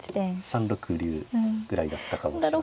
３六竜ぐらいだったかもしれません。